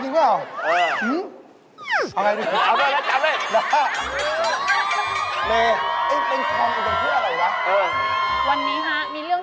จริงไม่